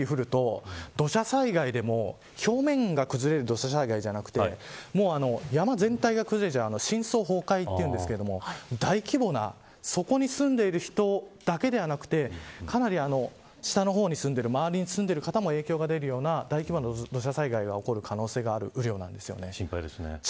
本当に８００ミリ降ると土砂災害でも表面が崩れる土砂災害じゃなくて山全体が崩れて深層崩壊というんですけど大規模な、そこに住んでいる人だけではなくてかなり下の方に住んでいる周りに住んでいる方にも影響が出るような大規模な土砂災害が起こる可能性がある雨量なんです。